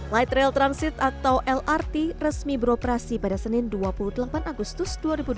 light rail transit atau lrt resmi beroperasi pada senin dua puluh delapan agustus dua ribu dua puluh